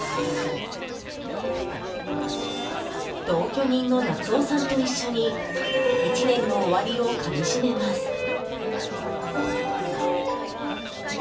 同居人の夏夫さんと一緒に１年の終わりをかみ締めます。